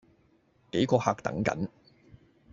幾個客等緊